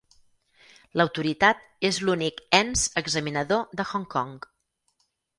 L'autoritat és l'únic ens examinador de Hong Kong.